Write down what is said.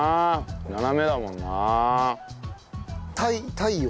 斜めだもんな。